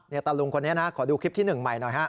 ตาลุงคนนี้นะขอดูคลิปที่๑ใหม่หน่อยฮะ